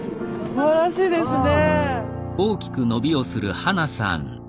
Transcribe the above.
すばらしいですね。